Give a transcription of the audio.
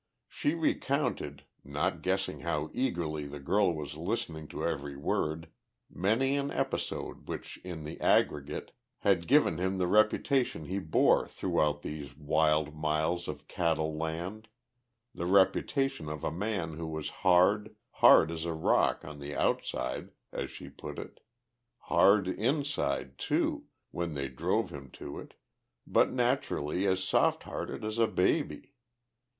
She recounted, not guessing how eagerly the girl was listening to every word, many an episode which in the aggregate had given him the reputation he bore throughout these wild miles of cattle land, the reputation of a man who was hard, hard as rock "on the outside," as she put it, hard inside, too, when they drove him to it, but naturally as soft hearted as a baby.